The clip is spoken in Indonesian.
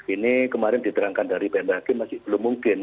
ini kemarin diterangkan dari pmkg masih belum mungkin